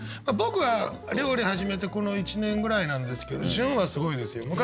僕は料理始めてこの１年ぐらいなんですけど潤はすごいですよ。